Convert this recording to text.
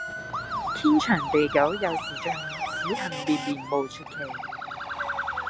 天長地久有時盡，此恨綿綿無絕期！